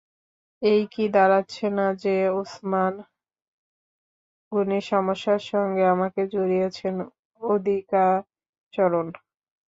এই কি দাঁড়াচ্ছে না, যে, ওসমান গনির সমস্যার সঙ্গে আমাকে জড়িয়েছেন অধিকাচরণ।